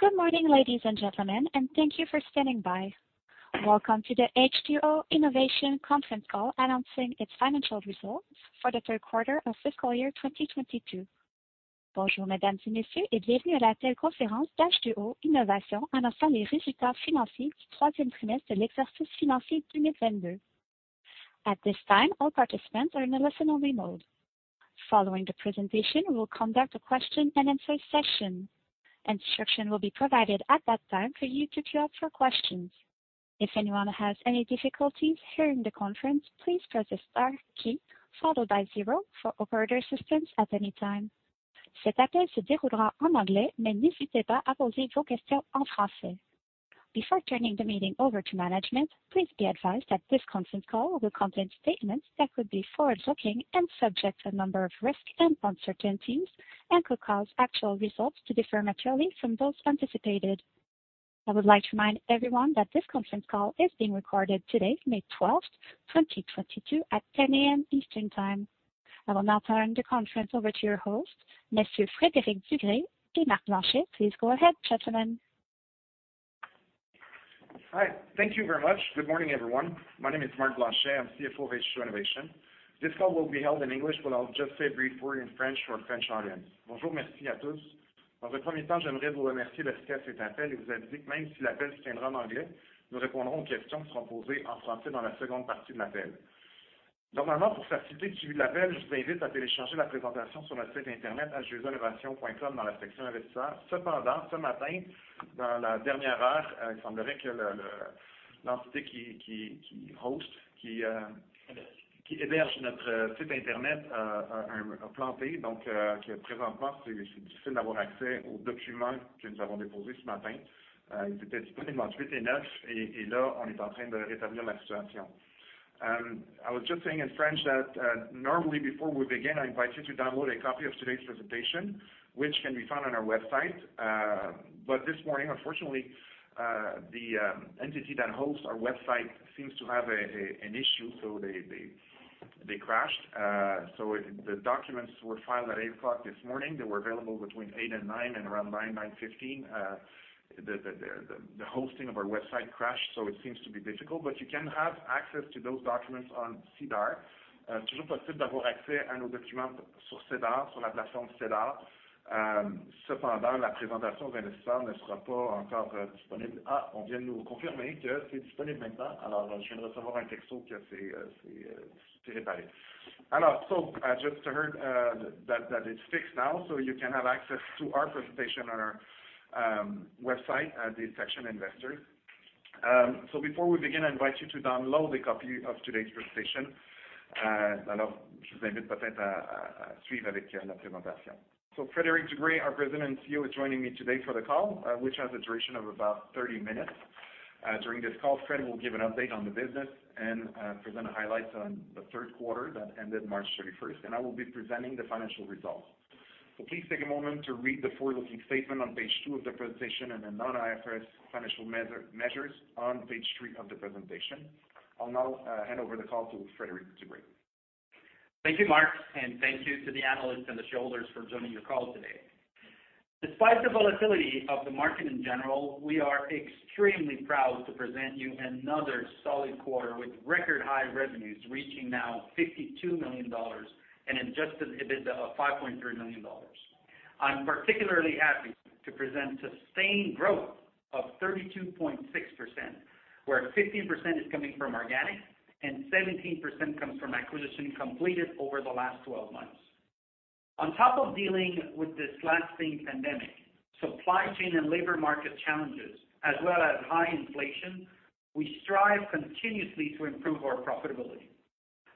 Good morning, ladies and gentlemen, and thank you for standing by. Welcome to the H2O Innovation conference call announcing its financial results for the third quarter of fiscal year 2022. Bonjour, mesdames et messieurs, et bienvenue à la téléconférence d'H2O Innovation annonçant les résultats financiers du troisième trimestre de l'exercice financier 2022. At this time, all participants are in a listen-only mode. Following the presentation, we'll conduct a question-and-answer session. Instruction will be provided at that time for you to queue up for questions. If anyone has any difficulties hearing the conference, please press the star key followed by zero for operator assistance at any time. Cet appel se déroulera en anglais, mais n'hésitez pas à poser vos questions en français. Before turning the meeting over to management, please be advised that this conference call will contain statements that could be forward-looking and subject to a number of risks and uncertainties and could cause actual results to differ materially from those anticipated. I would like to remind everyone that this conference call is being recorded today, May 12, 2022, at 10 A.M. Eastern Time. I will now turn the conference over to your host, Monsieur Frédéric Dugré et Marc Blanchet. Please go ahead, gentlemen. Hi. Thank you very much. Good morning, everyone. My name is Marc Blanchet. I'm CFO of H2O Innovation. This call will be held in English, but I'll just say a brief word in French for our French audience. Bonjour. Merci à tous. Dans un premier temps, j'aimerais vous remercier de participer à cet appel et vous aviser que même si l'appel se tiendra en anglais, nous répondrons aux questions qui seront posées en français dans la seconde partie de l'appel. Normalement, pour faciliter le suivi de l'appel, je vous invite à télécharger la présentation sur notre site internet, h2oinnovation.com, dans la section investisseurs. Cependant, ce matin, dans la dernière heure, il semblerait que l'entité qui héberge notre site Internet a planté. Donc, présentement, c'est difficile d'avoir accès aux documents que nous avons déposés ce matin. Ils étaient disponibles entre 8 et 9 et là, on est en train de rétablir la situation. I was just saying in French that, normally before we begin, I invite you to download a copy of today's presentation, which can be found on our website. This morning, unfortunately, the entity that hosts our website seems to have an issue, so they crashed. The documents were filed at 8:00 A.M. this morning. They were available between 8:00 A.M. and 9:00 A.M., and around 9:00 A.M., 9:15 A.M., the hosting of our website crashed, so it seems to be difficult, but you can have access to those documents on SEDAR. C'est toujours possible d'avoir accès à nos documents sur SEDAR, sur la plateforme SEDAR. Cependant, la présentation aux investisseurs ne sera pas encore disponible. On vient de nous confirmer que c'est disponible maintenant. Je viens de recevoir un texto que c'est réparé. So I just heard that it's fixed now, so you can have access to our presentation on our website at the section investors. Before we begin, I invite you to download a copy of today's presentation. Je vous invite peut-être à suivre avec la présentation. Frédéric Dugré, our President and CEO, is joining me today for the call, which has a duration of about 30 minutes. During this call, Fred will give an update on the business and present highlights on the third quarter that ended March 31st, and I will be presenting the financial results. Please take a moment to read the forward-looking statement on page two of the presentation and the non-IFRS financial measures on page three of the presentation. I'll now hand over the call to Frédéric Dugré. Thank you, Marc, and thank you to the analysts and the shareholders for joining your call today. Despite the volatility of the market in general, we are extremely proud to present you another solid quarter with record-high revenues reaching now 52 million dollars and adjusted EBITDA of 5.3 million dollars. I'm particularly happy to present sustained growth of 32.6%, where 15% is coming from organic and 17% comes from acquisition completed over the last 12 months. On top of dealing with this lasting pandemic, supply chain and labor market challenges, as well as high inflation, we strive continuously to improve our profitability.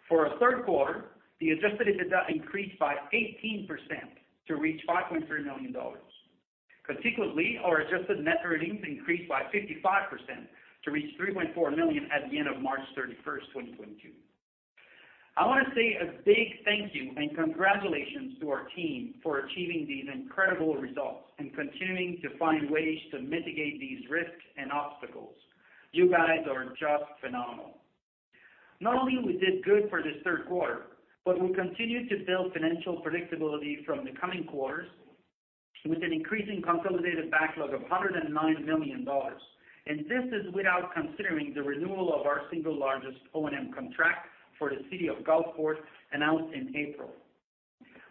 For our third quarter, the adjusted EBITDA increased by 18% to reach 5.3 million dollars. Consequently, our adjusted net earnings increased by 55% to reach 3.4 million at the end of March 31st, 2022. I wanna say a big thank you and congratulations to our team for achieving these incredible results and continuing to find ways to mitigate these risks and obstacles. You guys are just phenomenal. Not only we did good for this third quarter, but we continue to build financial predictability from the coming quarters with an increasing consolidated backlog of 109 million dollars. This is without considering the renewal of our single largest O&M contract for the City of Gulfport announced in April.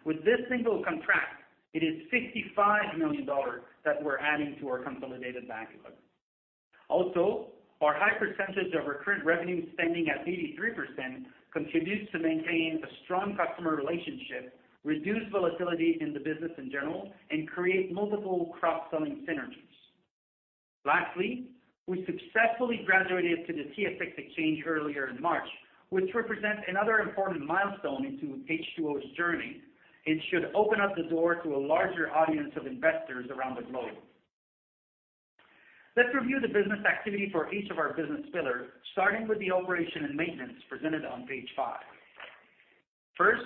With this single contract, it is 55 million dollars that we're adding to our consolidated backlog. Also, our high percentage of recurrent revenue standing at 83% contributes to maintain a strong customer relationship, reduce volatility in the business in general, and create multiple cross-selling synergies. Lastly, we successfully graduated to the TSX exchange earlier in March, which represents another important milestone into H2O's journey. It should open up the door to a larger audience of investors around the globe. Let's review the business activity for each of our business pillars, starting with the operation and maintenance presented on page five. First,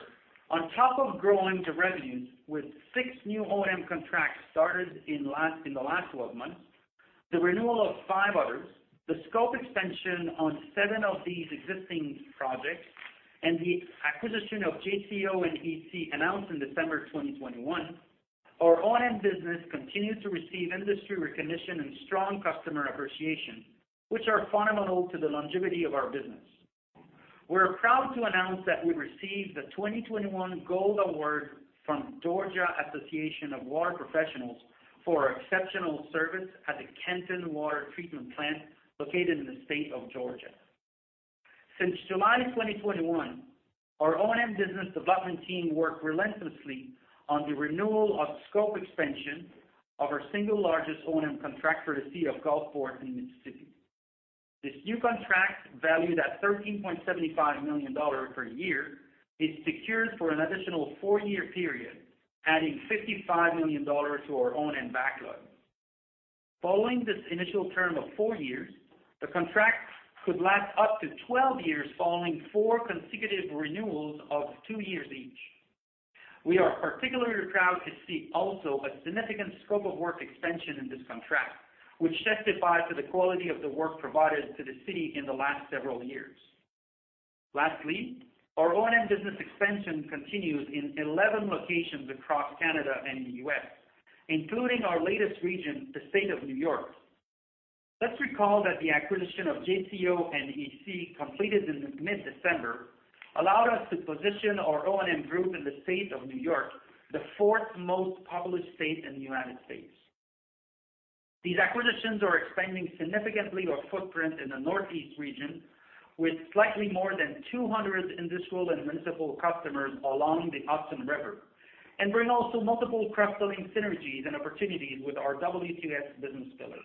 on top of growing the revenues with six new O&M contracts started in the last 12 months, the renewal of five others, the scope extension on seven of these existing projects, and the acquisition of JCO and EC announced in December 2021. Our O&M business continues to receive industry recognition and strong customer appreciation, which are fundamental to the longevity of our business. We're proud to announce that we received the 2021 Gold Award from Georgia Association of Water Professionals for exceptional service at the Kennesaw Water Treatment Plant located in the state of Georgia. Since July 2021, our O&M business development team worked relentlessly on the renewal of scope expansion of our single largest O&M contract for the City of Gulfport in Mississippi. This new contract, valued at 13.75 million dollars per year, is secured for an additional four-year period, adding 55 million dollars to our O&M backlog. Following this initial term of four years, the contract could last up to 12 years following four consecutive renewals of two years each. We are particularly proud to see also a significant scope of work expansion in this contract, which testifies to the quality of the work provided to the city in the last several years. Our O&M business expansion continues in 11 locations across Canada and the US, including our latest region, the State of New York. Let's recall that the acquisition of JCO and EC, completed in mid-December, allowed us to position our O&M group in the State of New York, the fourth most populous state in the United States. These acquisitions are expanding significantly our footprint in the Northeast region, with slightly more than 200 industrial and municipal customers along the Hudson River, and bring also multiple cross-selling synergies and opportunities with our WTS business pillar.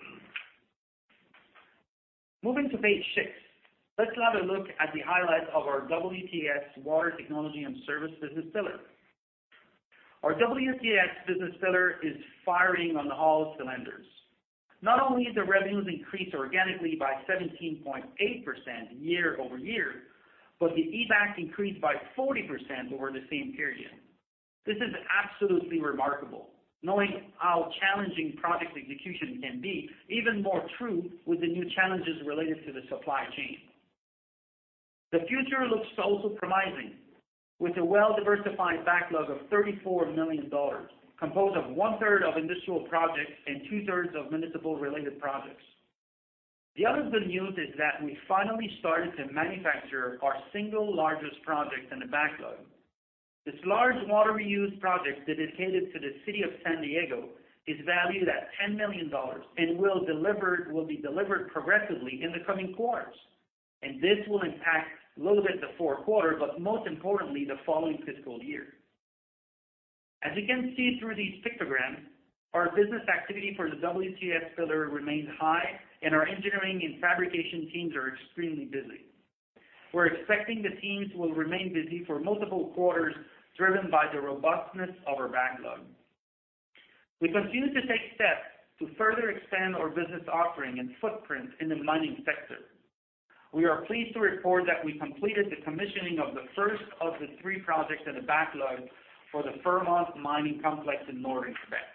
Moving to page six, let's have a look at the highlights of our WTS, Water Technology and Service business pillar. Our WTS business pillar is firing on all cylinders. Not only the revenues increased organically by 17.8% year-over-year, but the EBAC increased by 40% over the same period. This is absolutely remarkable, knowing how challenging project execution can be, even more true with the new challenges related to the supply chain. The future looks also promising with a well-diversified backlog of 34 million dollars, composed of one-third of industrial projects and two-thirds of municipal-related projects. The other good news is that we finally started to manufacture our single largest project in the backlog. This large water reuse project dedicated to the City of San Diego is valued at 10 million dollars and will be delivered progressively in the coming quarters. This will impact a little bit the fourth quarter, but most importantly, the following fiscal year. As you can see through these pictograms, our business activity for the WTS pillar remains high, and our engineering and fabrication teams are extremely busy. We're expecting the teams will remain busy for multiple quarters, driven by the robustness of our backlog. We continue to take steps to further expand our business offering and footprint in the mining sector. We are pleased to report that we completed the commissioning of the first of the three projects in the backlog for the Raglan Mining Complex in Northern Quebec.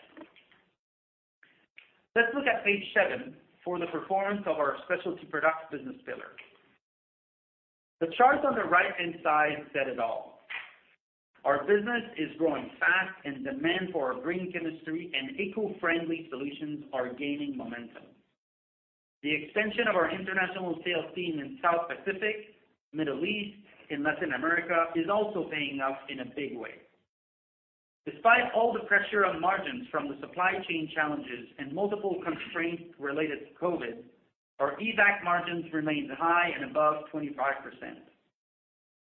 Let's look at page seven for the performance of our specialty products business pillar. The chart on the right-hand side said it all. Our business is growing fast, and demand for our green chemistry and eco-friendly solutions are gaining momentum. The expansion of our international sales team in South Pacific, Middle East, and Latin America is also paying off in a big way. Despite all the pressure on margins from the supply chain challenges and multiple constraints related to COVID, our EBAC margins remained high and above 25%.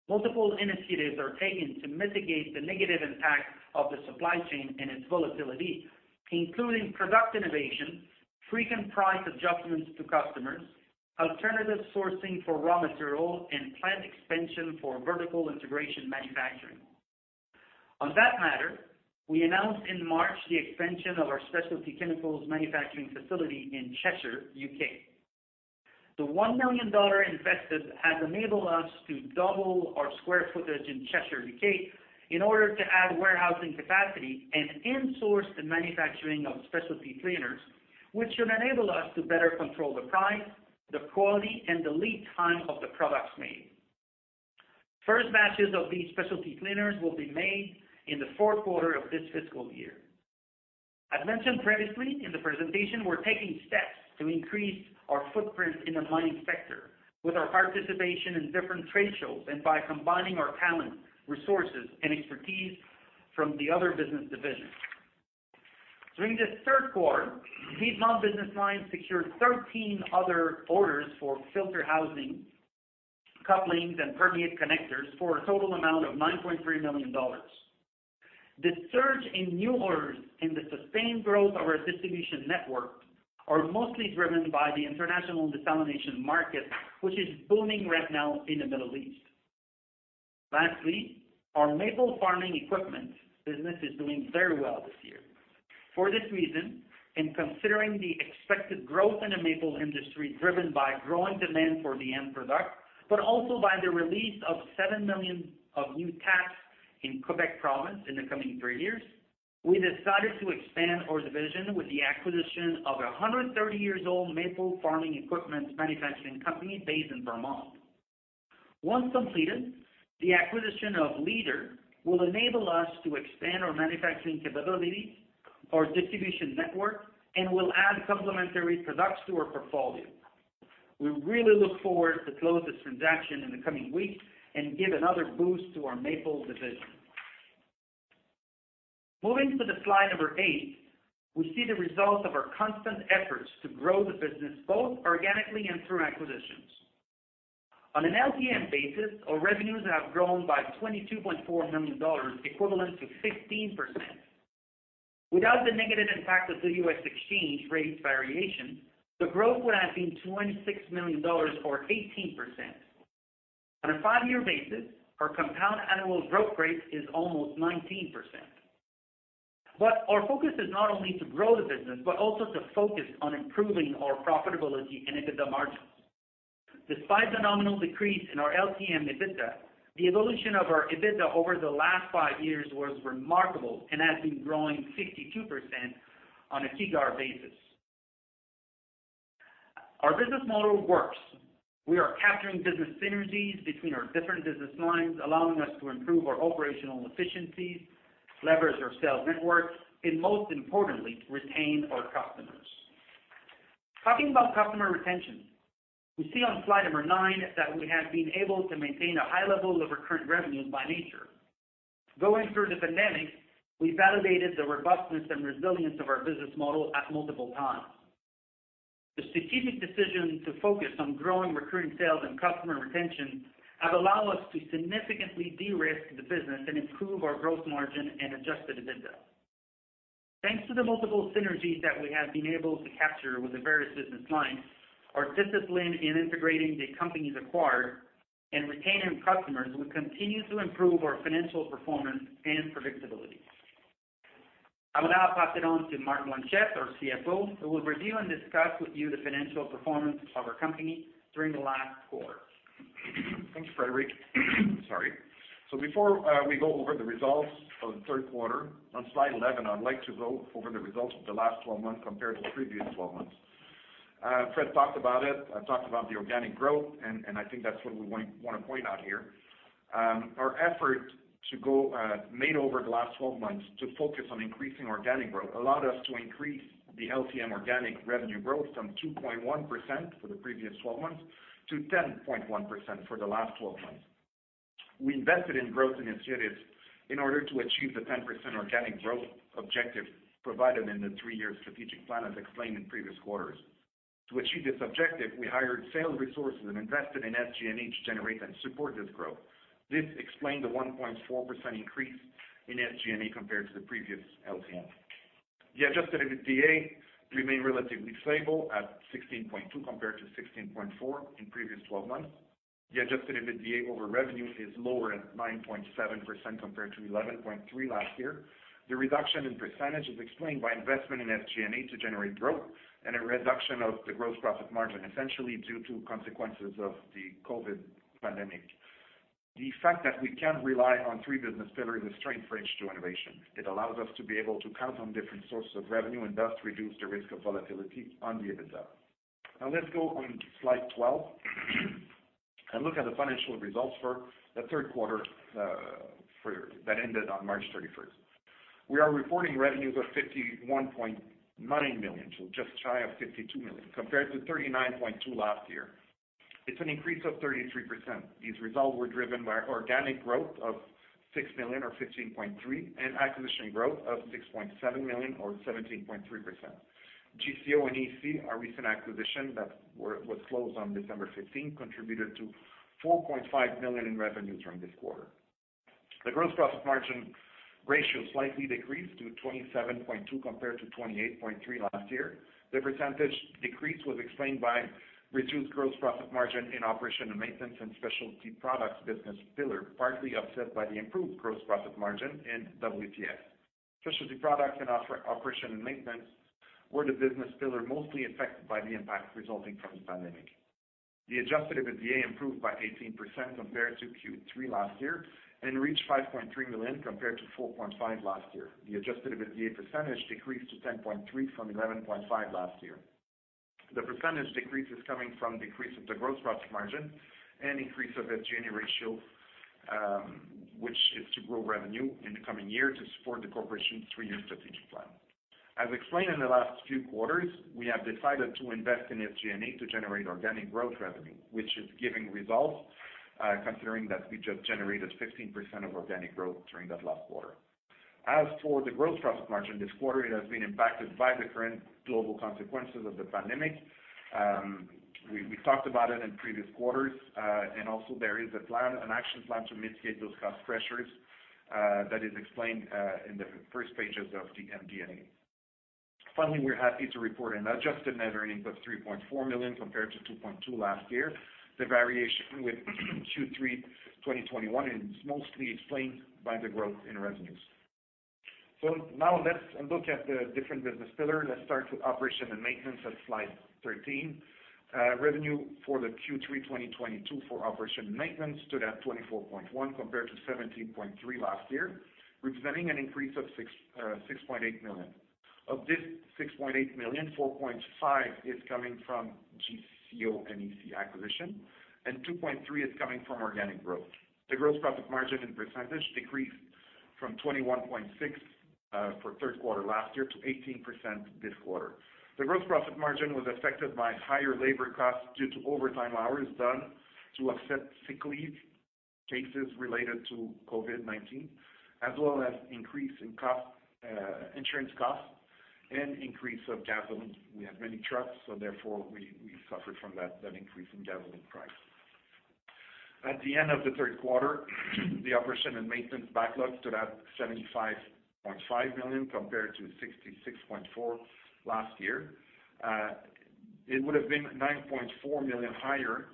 Multiple initiatives are taken to mitigate the negative impact of the supply chain and its volatility, including product innovation, frequent price adjustments to customers, alternative sourcing for raw material, and plant expansion for vertical integration manufacturing. On that matter, we announced in March the expansion of our specialty chemicals manufacturing facility in Cheshire, U.K. The 1 million dollar invested has enabled us to double our square footage in Cheshire, U.K., in order to add warehousing capacity and in-source the manufacturing of specialty cleaners, which should enable us to better control the price, the quality, and the lead time of the products made. First batches of these specialty cleaners will be made in the fourth quarter of this fiscal year. As mentioned previously in the presentation, we're taking steps to increase our footprint in the mining sector with our participation in different trade shows and by combining our talent, resources, and expertise from the other business divisions. During this third quarter, Piedmont business line secured 13 other orders for filter housing, couplings, and permeate connectors for a total amount of 9.3 million dollars. The surge in new orders and the sustained growth of our distribution network are mostly driven by the international desalination market, which is booming right now in the Middle East. Lastly, our maple farming equipment business is doing very well this year. For this reason, and considering the expected growth in the maple industry driven by growing demand for the end product, but also by the release of 7 million new taps in Quebec province in the coming three years, we decided to expand our division with the acquisition of a 130-year-old maple farming equipment manufacturing company based in Vermont. Once completed, the acquisition of Leader Evaporator Co., Inc. will enable us to expand our manufacturing capabilities, our distribution network, and will add complementary products to our portfolio. We really look forward to close this transaction in the coming weeks and give another boost to our maple division. Moving to slide eight, we see the results of our constant efforts to grow the business, both organically and through acquisitions. On an LTM basis, our revenues have grown by 22.4 million dollars, equivalent to 16%. Without the negative impact of the U.S. exchange rates variation, the growth would have been 26 million dollars or 18%. On a five-year basis, our compound annual growth rate is almost 19%. Our focus is not only to grow the business, but also to focus on improving our profitability and EBITDA margins. Despite the nominal decrease in our LTM EBITDA, the evolution of our EBITDA over the last five years was remarkable and has been growing 62% on a CAGR basis. Our business model works. We are capturing business synergies between our different business lines, allowing us to improve our operational efficiencies, leverage our sales network, and most importantly, retain our customers. Talking about customer retention, we see on slide number nine that we have been able to maintain a high level of recurring revenues by nature. Going through the pandemic, we validated the robustness and resilience of our business model at multiple times. The strategic decision to focus on growing recurring sales and customer retention have allowed us to significantly de-risk the business and improve our growth margin and adjusted EBITDA. Thanks to the multiple synergies that we have been able to capture with the various business lines, our discipline in integrating the companies acquired and retaining customers will continue to improve our financial performance and predictability. I will now pass it on to Marc Blanchet, our CFO, who will review and discuss with you the financial performance of our company during the last quarter. Thanks, Frédéric. Sorry. Before we go over the results for the third quarter, on slide 11, I would like to go over the results of the last 12 months compared to the previous 12 months. Fred talked about it. I talked about the organic growth, and I think that's what we want to point out here. Our efforts we made over the last 12 months to focus on increasing organic growth allowed us to increase the LTM organic revenue growth from 2.1% for the previous 12 months to 10.1% for the last 12 months. We invested in growth initiatives in order to achieve the 10% organic growth objective provided in the three-year strategic plan, as explained in previous quarters. To achieve this objective, we hired sales resources and invested in SG&A to generate and support this growth. This explained the 1.4% increase in SG&A compared to the previous LTM. The adjusted EBITDA remained relatively stable at 16.2 compared to 16.4 in previous 12 months. The adjusted EBITDA over revenue is lower at 9.7% compared to 11.3 last year. The reduction in percentage is explained by investment in SG&A to generate growth and a reduction of the gross profit margin, essentially due to consequences of the COVID pandemic. The fact that we can rely on three business pillars is strength for H2O Innovation. It allows us to be able to count on different sources of revenue and thus reduce the risk of volatility on the EBITDA. Now let's go on to slide 12 and look at the financial results for the third quarter that ended on March 31st, 2022. We are reporting revenues of 51.9 million, so just shy of 52 million, compared to 39.2 million last year. It's an increase of 33%. These results were driven by organic growth of 6 million or 15.3% and acquisition growth of 6.7 million or 17.3%. JCO and EC, our recent acquisition that was closed on December 15, 2022 contributed to 4.5 million in revenues during this quarter. The gross profit margin ratio slightly decreased to 27.2% compared to 28.3% last year. The percentage decrease was explained by reduced gross profit margin in operation and maintenance and specialty products business pillar, partly offset by the improved gross profit margin in WTS. Specialty products and operation and maintenance were the business pillar mostly affected by the impact resulting from the pandemic. The adjusted EBITDA improved by 18% compared to Q3 last year and reached 5.3 million compared to 4.5 million last year. The adjusted EBITDA percentage decreased to 10.3% from 11.5% last year. The percentage decrease is coming from decrease of the gross profit margin and increase of SG&A ratio, which is to grow revenue in the coming year to support the corporation's three-year strategic plan. As explained in the last few quarters, we have decided to invest in SG&A to generate organic growth revenue, which is giving results, considering that we just generated 15% of organic growth during that last quarter. As for the gross profit margin, this quarter, it has been impacted by the current global consequences of the pandemic. We talked about it in previous quarters, and also there is a plan, an action plan to mitigate those cost pressures, that is explained in the first pages of the MD&A. Finally, we're happy to report an adjusted net earnings of 3.4 million compared to 2.2 million last year. The variation with Q3 2021 is mostly explained by the growth in revenues. Now let's look at the different business pillar. Let's start with operation and maintenance at slide 13. Revenue for the Q3 2022 for operation and maintenance stood at 24.1 million compared to 17.3 million last year, representing an increase of 6.8 million. Of this 6.8 million, 4.5 is coming from JCO and EC acquisition, and 2.3 is coming from organic growth. The gross profit margin in percentage decreased from 21.6% for third quarter last year to 18% this quarter. The gross profit margin was affected by higher labor costs due to overtime hours done to cover sick leave cases related to COVID-19, as well as increase in cost, insurance costs and increase of gasoline. We have many trucks, so therefore, we suffered from that increase in gasoline price. At the end of the third quarter, the operation and maintenance backlog stood at 75.5 million compared to 66.4 last year. It would have been 9.4 million higher,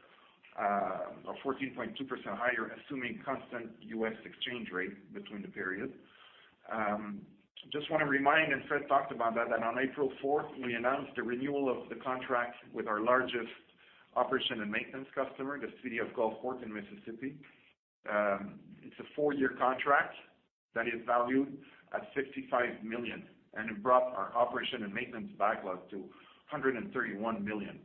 or 14.2% higher, assuming constant US exchange rate between the periods. Just wanna remind, Fred talked about that on April 4th, 2022, we announced the renewal of the contract with our largest operation and maintenance customer, the City of Gulfport in Mississippi. It's a four-year contract that is valued at $65 million, and it brought our operation and maintenance backlog to 131 million.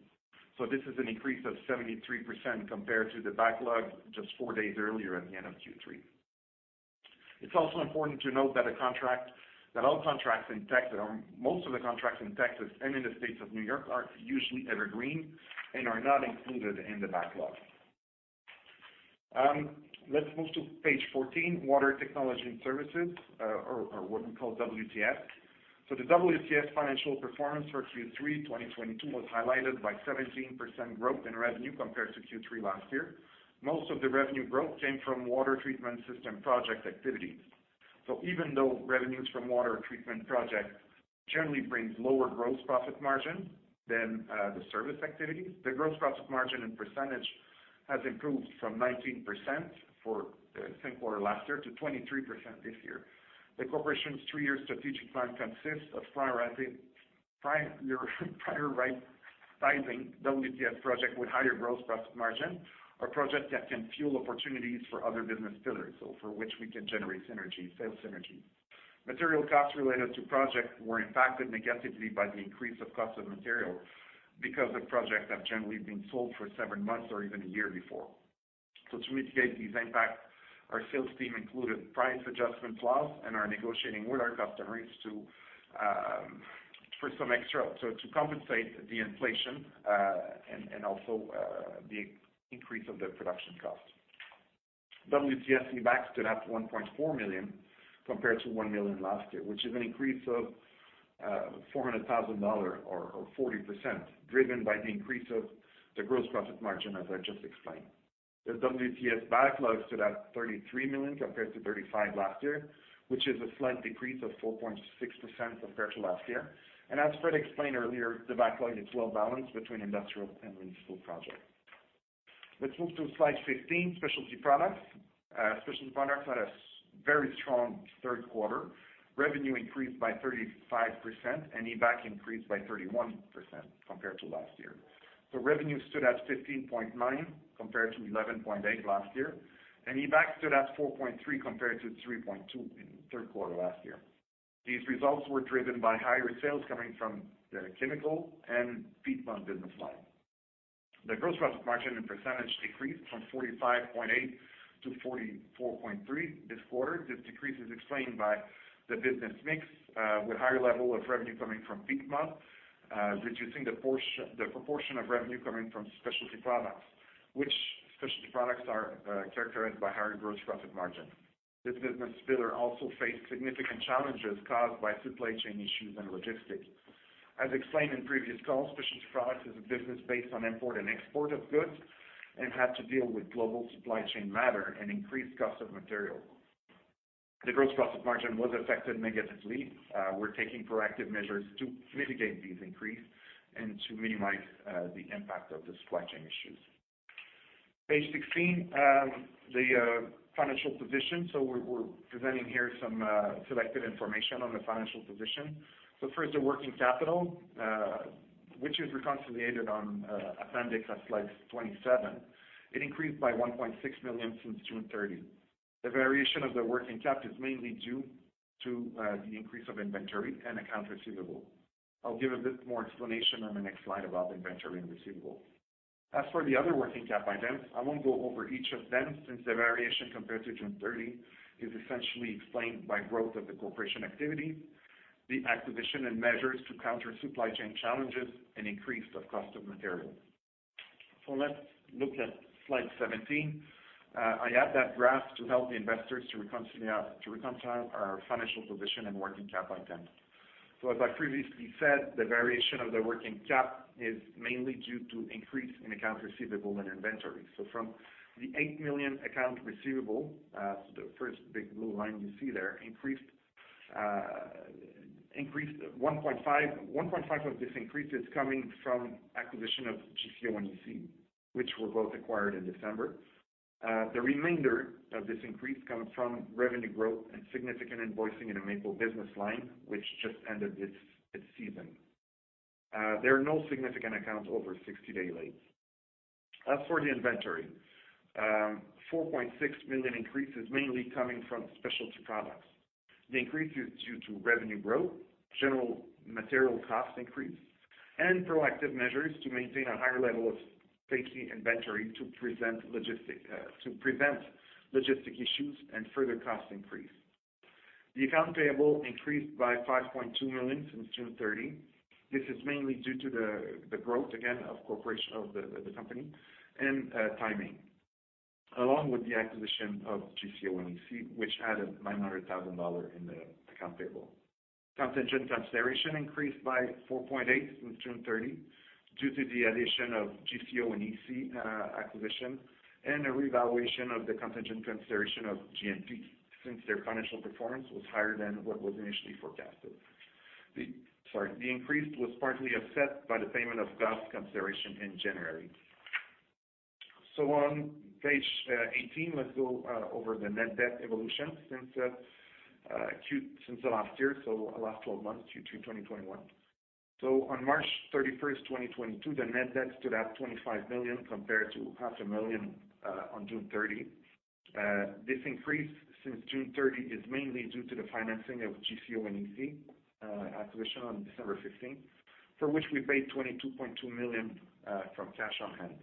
This is an increase of 73% compared to the backlog just four days earlier at the end of Q3. It's also important to note that all contracts in Texas or most of the contracts in Texas and in the State of New York are usually evergreen and are not included in the backlog. Let's move to page 14, Water Technology and Services, or what we call WTS. The WTS financial performance for Q3 2022 was highlighted by 17% growth in revenue compared to Q3 last year. Most of the revenue growth came from water treatment system project activities. Even though revenues from water treatment project generally brings lower gross profit margin than the service activities, the gross profit margin and percentage has improved from 19% for the same quarter last year to 23% this year. The corporation's three-year strategic plan consists of prioritizing WTS project with higher gross profit margin or project that can fuel opportunities for other business pillars, so for which we can generate synergy, sales synergy. Material costs related to projects were impacted negatively by the increase of cost of material because the projects have generally been sold for seven months or even a year before. To mitigate these impacts, our sales team included price adjustment clause and are negotiating with our customers to compensate the inflation and also the increase of the production cost. WTS EBAC stood at 1.4 million compared to 1 million last year, which is an increase of 400 thousand dollar or 40%, driven by the increase of the gross profit margin, as I just explained. The WTS backlog stood at 33 million compared to 35 million last year, which is a slight decrease of 4.6% compared to last year. As Fred explained earlier, the backlog is well balanced between industrial and municipal projects. Let's move to slide 15, Specialty Products. Specialty Products had a very strong third quarter. Revenue increased by 35%, and EBAC increased by 31% compared to last year. Revenue stood at 15.9 compared to 11.8 last year, and EBAC stood at 4.3 compared to 3.2 in the third quarter last year. These results were driven by higher sales coming from the chemical and peat moss business line. The gross profit margin and percentage decreased from 45.8%-44.3% this quarter. This decrease is explained by the business mix, with higher level of revenue coming from peat moss, reducing the proportion of revenue coming from specialty products, which specialty products are, characterized by higher gross profit margin. This business pillar also faced significant challenges caused by supply chain issues and logistics. As explained in previous calls, Specialty Products is a business based on import and export of goods and had to deal with global supply chain matters and increased costs of materials. The gross profit margin was affected negatively. We're taking proactive measures to mitigate these increases and to minimize the impact of the supply chain issues. Page 16, the financial position. We're presenting here some selective information on the financial position. First, the working capital, which is reconciled on appendix at slide 27. It increased by 1.6 million since June 30th 2022. The variation of the working capital is mainly due to the increase of inventory and accounts receivable. I'll give a bit more explanation on the next slide about inventory and receivables. As for the other working cap items, I won't go over each of them since the variation compared to June 30, 2022, Is essentially explained by growth of the corporation activity, the acquisition and measures to counter supply chain challenges, and increase of cost of material. Let's look at slide 17. I add that graph to help the investors to reconcile our financial position and working cap items. As I previously said, the variation of the working cap is mainly due to increase in accounts receivable and inventory. From the 8 million accounts receivable, the first big blue line you see their increased 1.5 million. 1.5 millions of this increase is coming from acquisition of JCO and EC, which were both acquired in December. The remainder of this increase comes from revenue growth and significant invoicing in the maple business line, which just ended its season. There are no significant accounts over 60 days late. As for the inventory, 4.6 million increase is mainly coming from specialty products. The increase is due to revenue growth, general material cost increase, and proactive measures to maintain a higher level of safety inventory to prevent logistic issues and further cost increase. The accounts payable increased by 5.2 million since June 30, 2022. This is mainly due to the growth again of corporation of the company and timing, along with the acquisition of JCO and EC, which added 900 thousand dollar in the accounts payable. Contingent consideration increased by 4.8 since June 30, 2022, due to the addition of JCO and EC acquisition and a revaluation of the contingent consideration of GMP since their financial performance was higher than what was initially forecasted. The increase was partly offset by the payment of JCO's consideration in January. On page 18, let's go over the net debt evolution since the last year, the last 12 months, Q3 2021. On March 31st, 2022, the net debt stood at 25 million compared to half a million CAD on June 30, 2022. This increase since June 30, 2022, is mainly due to the financing of JCO and EC acquisition on December 15th, 2022, for which we paid 22.2 million from cash on hand.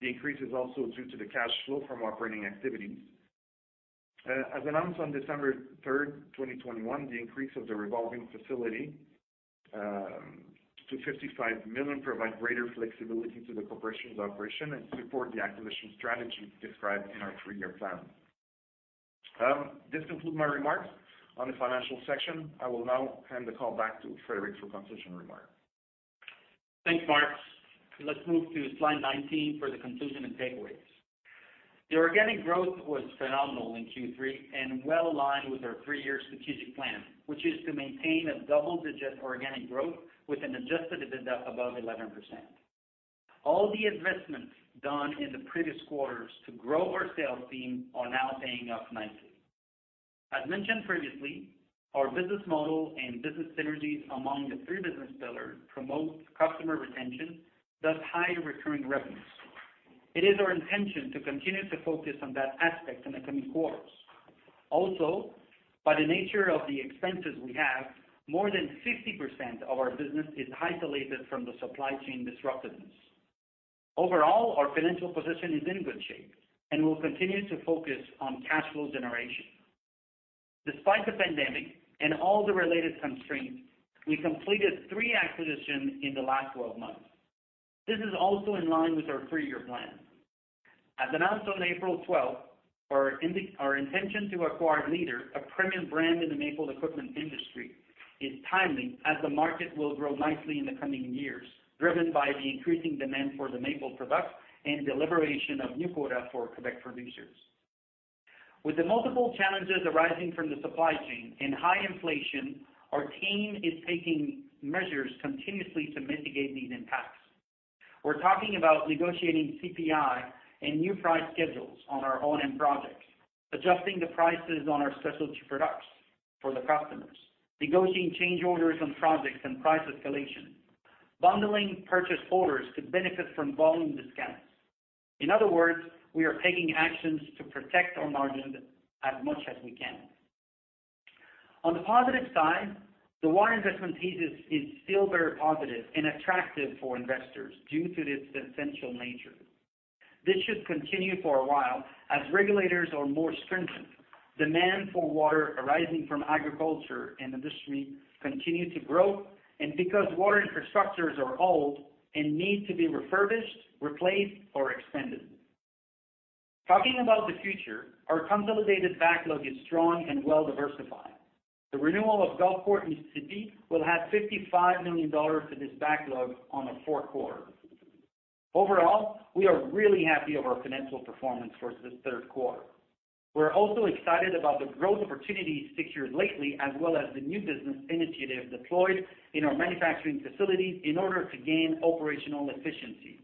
The increase is also due to the cash flow from operating activities. As announced on December 3rd, 2021, the increase of the revolving facility to 55 million provides greater flexibility to the corporation's operations and to support the acquisition strategy described in our three-year plan. This concludes my remarks on the financial section. I will now hand the call back to Frédéric for concluding remarks. Thanks, Marc. Let's move to slide 19 for the conclusion and takeaways. The organic growth was phenomenal in Q3 and well aligned with our three-year strategic plan, which is to maintain a double-digit organic growth with an adjusted EBITDA above 11%. All the investments done in the previous quarters to grow our sales team are now paying off nicely. As mentioned previously, our business model and business synergies among the three business pillars promote customer retention, thus high recurring revenues. It is our intention to continue to focus on that aspect in the coming quarters. Also, by the nature of the expenses we have, more than 50% of our business is isolated from the supply chain disruptiveness. Overall, our financial position is in good shape, and we'll continue to focus on cash flow generation. Despite the pandemic and all the related constraints, we completed three acquisitions in the last 12 months. This is also in line with our three-year plan. As announced on April 12, 2022, our intention to acquire Leader, a premium brand in the maple equipment industry, is timely as the market will grow nicely in the coming years, driven by the increasing demand for the maple products and the liberation of new quota for Quebec producers. With the multiple challenges arising from the supply chain and high inflation, our team is taking measures continuously to mitigate these impacts. We're talking about negotiating CPI and new price schedules on our own end projects, adjusting the prices on our specialty products for the customers, negotiating change orders on projects and price escalation, bundling purchase orders to benefit from volume discounts. In other words, we are taking actions to protect our margins as much as we can. On the positive side, the water investment thesis is still very positive and attractive for investors due to its essential nature. This should continue for a while as regulators are more stringent, demand for water arising from agriculture and industry continue to grow, and because water infrastructures are old and need to be refurbished, replaced, or extended. Talking about the future, our consolidated backlog is strong and well-diversified. The renewal of Gulfport in Q4 will add 55 million dollars to this backlog on the fourth quarter. Overall, we are really happy of our financial performance for this third quarter. We're also excited about the growth opportunities secured lately as well as the new business initiatives deployed in our manufacturing facilities in order to gain operational efficiency.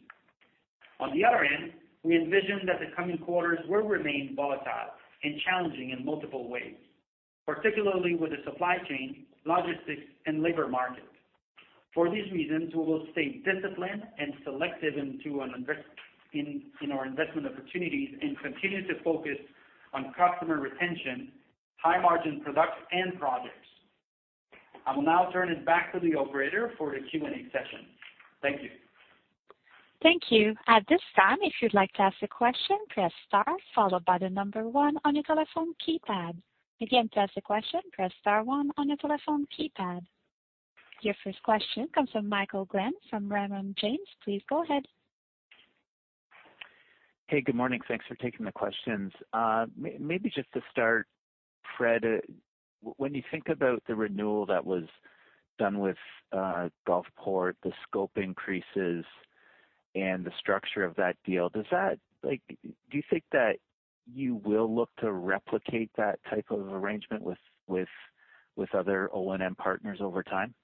On the other end, we envision that the coming quarters will remain volatile and challenging in multiple ways, particularly with the supply chain, logistics, and labor market. For these reasons, we will stay disciplined and selective in our investment opportunities and continue to focus on customer retention, high-margin products and projects. I will now turn it back to the operator for the Q&A session. Thank you. Thank you. At this time, if you'd like to ask a question, press star followed by the number one on your telephone keypad. Again, to ask a question, press star one on your telephone keypad. Your first question comes from Michael Glen from Raymond James. Please go ahead. Hey, good morning. Thanks for taking the questions. Maybe just to start, Fred, when you think about the renewal that was done with Gulfport, the scope increases and the structure of that deal, does that like do you think that you will look to replicate that type of arrangement with other O&M partners over time?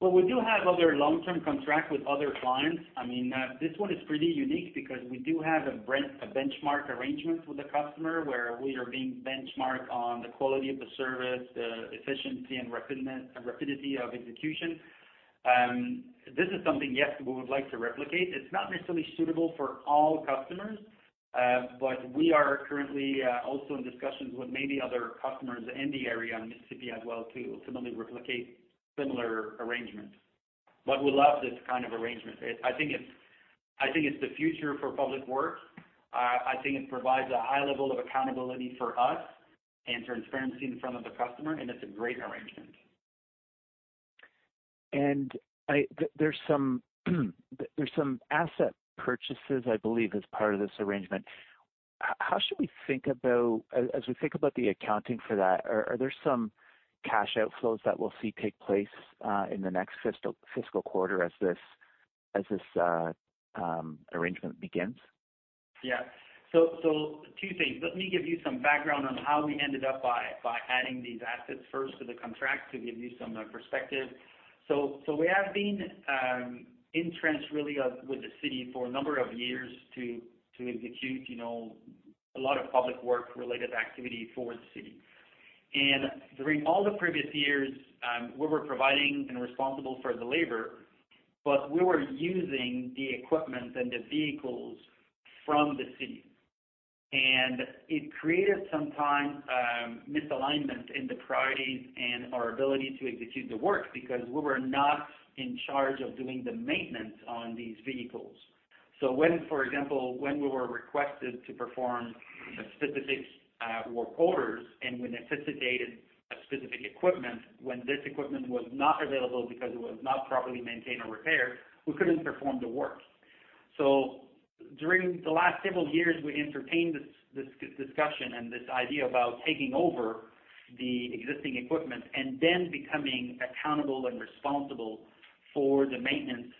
Well, we do have other long-term contracts with other clients. I mean, this one is pretty unique because we do have a bench, a benchmark arrangement with the customer where we are being benchmarked on the quality of the service, the efficiency and rapidity of execution. This is something, yes, we would like to replicate. It's not necessarily suitable for all customers. We are currently also in discussions with many other customers in the area, Mississippi as well, to similarly replicate similar arrangements. We love this kind of arrangement. I think it's the future for public works. I think it provides a high level of accountability for us and transparency in front of the customer, and it's a great arrangement. There's some asset purchases, I believe, as part of this arrangement. How should we think about as we think about the accounting for that? Are there some cash outflows that we'll see take place in the next fiscal quarter as this arrangement begins? Yeah. Two things. Let me give you some background on how we ended up adding these assets to the contract to give you some perspective. We have been entrenched with the city for a number of years to execute, you know, a lot of public work related activity for the city. During all the previous years, we were providing and responsible for the labor, but we were using the equipment and the vehicles from the city. It created sometimes misalignment in the priorities and our ability to execute the work because we were not in charge of doing the maintenance on these vehicles. When, for example, when we were requested to perform specific work orders and we necessitated a specific equipment, when this equipment was not available because it was not properly maintained or repaired, we couldn't perform the work. During the last several years, we entertained this discussion and this idea about taking over the existing equipment and then becoming accountable and responsible for the maintenance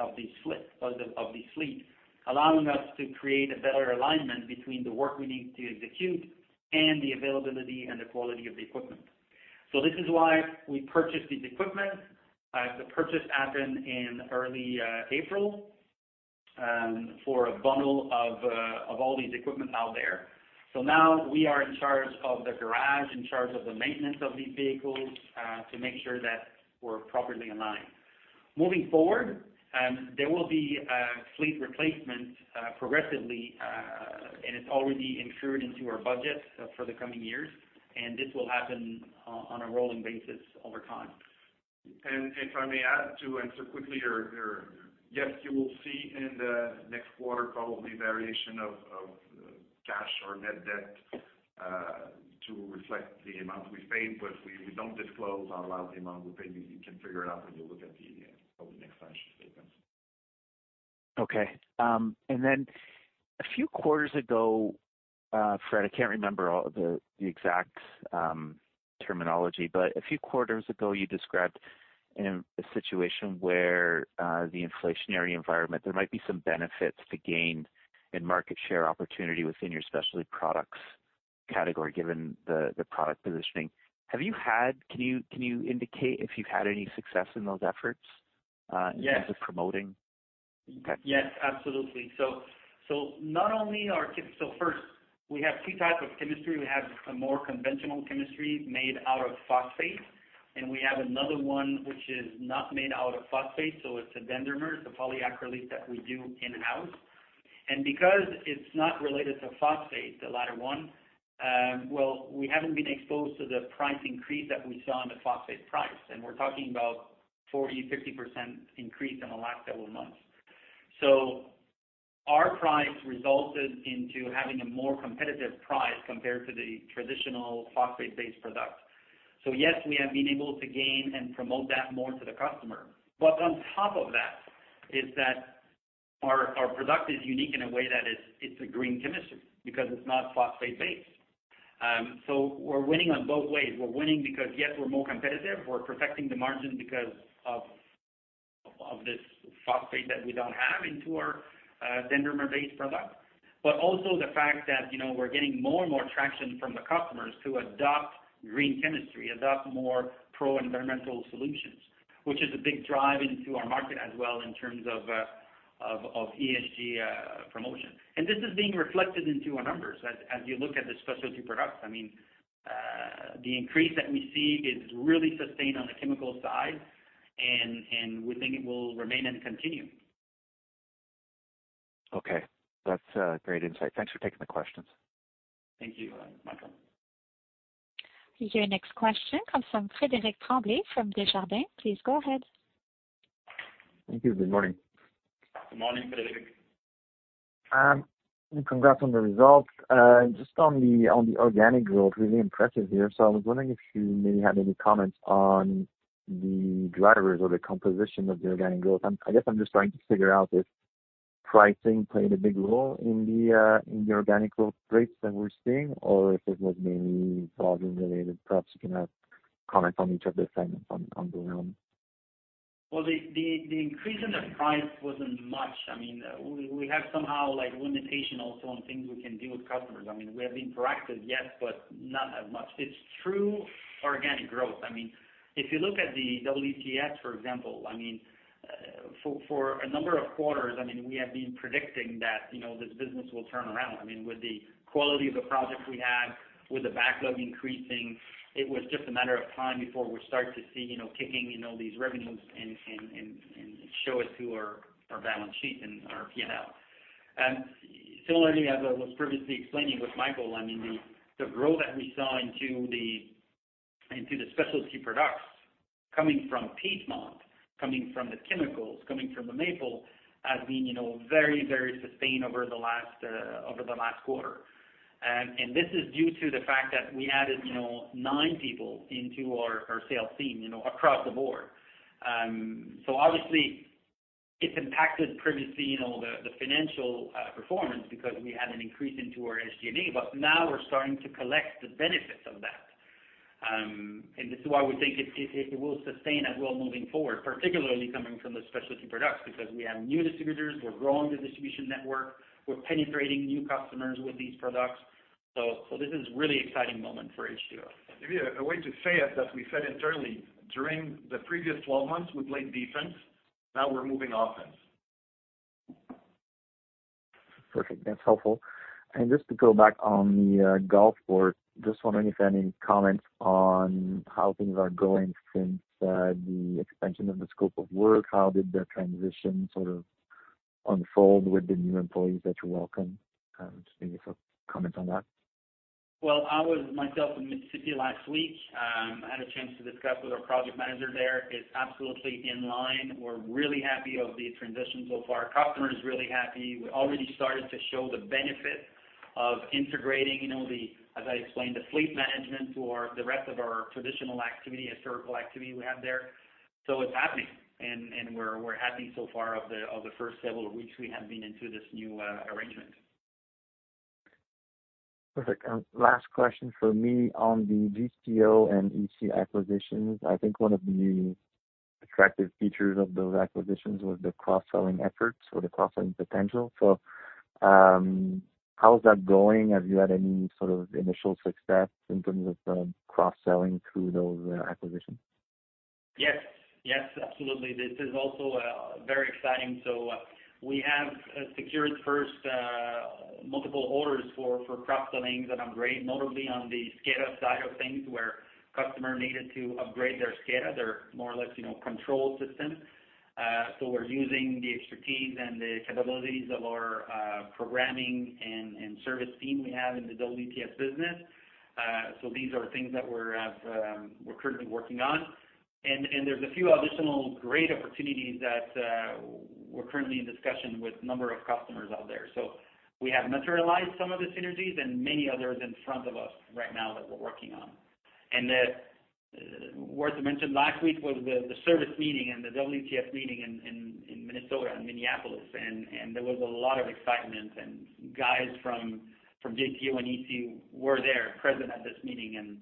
of the fleet, allowing us to create a better alignment between the work we need to execute and the availability and the quality of the equipment. This is why we purchased this equipment. The purchase happened in early April for a bundle of all these equipment out there. Now we are in charge of the garage, in charge of the maintenance of these vehicles, to make sure that we're properly aligned. Moving forward, there will be a fleet replacement, progressively, and it's already incurred into our budget for the coming years, and this will happen on a rolling basis over time. If I may add to answer quickly your. Yes, you will see in the next quarter probably variation of cash or net debt to reflect the amount we paid, but we don't disclose or allow the amount we paid. You can figure it out when you look at the public next financial statement. Okay. A few quarters ago, Fred, I can't remember all the exact terminology. A few quarters ago, you described a situation where, in the inflationary environment, there might be some benefits to gain in market share opportunity within your specialty products category, given the product positioning. Can you indicate if you've had any success in those efforts? Yes. in terms of promoting? Yes, absolutely. Not only are we first, we have two types of chemistry. We have a more conventional chemistry made out of phosphate, and we have another one which is not made out of phosphate, so it's a dendrimer, it's a polyacrylate that we do in-house. Because it's not related to phosphate, the latter one, we haven't been exposed to the price increase that we saw on the phosphate price, and we're talking about 40%-50% increase in the last several months. Our price resulted into having a more competitive price compared to the traditional phosphate-based product. Yes, we have been able to gain and promote that more to the customer. On top of that, our product is unique in a way that it's a green chemistry because it's not phosphate-based. We're winning on both ways. We're winning because, yes, we're more competitive. We're protecting the margin because of this phosphate that we don't have in our dendrimer-based product. But also the fact that, you know, we're getting more and more traction from the customers to adopt green chemistry, adopt more pro-environmental solutions, which is a big driver in our market as well in terms of ESG promotion. This is being reflected in our numbers. As you look at the specialty products, I mean, the increase that we see is really sustained on the chemical side and we think it will remain and continue. Okay. That's great insight. Thanks for taking the questions. Thank you, Michael. Your next question comes from Frederic Tremblay from Desjardins. Please go ahead. Thank you. Good morning. Good morning, Frédéric. Congrats on the results. Just on the organic growth, really impressive here. I was wondering if you maybe had any comments on the drivers or the composition of the organic growth. I guess I'm just trying to figure out if pricing played a big role in the organic growth rates that we're seeing or if it was mainly volume related? Perhaps you can comment on each of the segments in their own. Well, the increase in the price wasn't much. I mean, we have somehow like limitation also on things we can do with customers. I mean, we have been proactive, yes, but not as much. It's true organic growth. I mean, if you look at the WTS, for example, I mean, for a number of quarters, I mean, we have been predicting that, you know, this business will turn around. I mean, with the quality of the projects we have, with the backlog increasing, it was just a matter of time before we start to see, you know, kicking, you know, these revenues and show it to our balance sheet and our P&L. Similarly, as I was previously explaining with Michael, I mean the growth that we saw into the specialty products coming from Piedmont, coming from the chemicals, coming from the maple, has been, you know, very sustained over the last quarter. This is due to the fact that we added, you know, nine people into our sales team, you know, across the board. So obviously it's impacted previously, you know, the financial performance because we had an increase into our SG&A. Now we're starting to collect the benefits of that. This is why we think it will sustain as well moving forward, particularly coming from the specialty products, because we have new distributors, we're growing the distribution network, we're penetrating new customers with these products. This is really exciting moment for H2O. Maybe a way to say it, as we said internally, during the previous 12 months, we played defense, now we're moving offense. Perfect. That's helpful. Just to go back on the Gulfport, just wondering if you have any comments on how things are going since the expansion of the scope of work. How did the transition sort of unfold with the new employees that you welcomed? Just maybe if you comment on that. Well, I was myself in Mississippi last week. I had a chance to discuss with our project manager there. It's absolutely in line. We're really happy of the transition so far. Customer is really happy. We already started to show the benefit of integrating, you know, the, as I explained, the fleet management for the rest of our traditional activity and SCADA activity we have there. It's happening and we're happy so far of the first several weeks we have been into this new arrangement. Perfect. Last question from me on the JCO and EC acquisitions. I think one of the attractive features of those acquisitions was the cross-selling efforts or the cross-selling potential. How is that going? Have you had any sort of initial success in terms of, cross-selling through those, acquisitions? Yes. Yes, absolutely. This is also very exciting. We have secured first multiple orders for cross-selling that are great, notably on the SCADA side of things where customer needed to upgrade their SCADA, their more or less, you know, control system. We're using the expertise and the capabilities of our programming and service team we have in the WTS business. These are things that we're currently working on. There's a few additional great opportunities that we're currently in discussion with number of customers out there. We have materialized some of the synergies and many others in front of us right now that we're working on. Worth mentioning, last week was the service meeting and the WTS meeting in Minnesota, in Minneapolis. There was a lot of excitement and guys from JCO and EC were there present at this meeting.